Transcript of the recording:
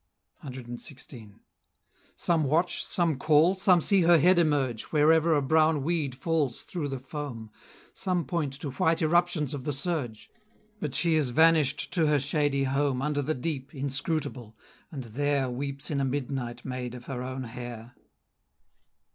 CXVI. Some watch, some call, some see her head emerge, Wherever a brown weed falls through the foam; Some point to white eruptions of the surge: But she is vanish'd to her shady home, Under the deep, inscrutable, and there Weeps in a midnight made of her own hair.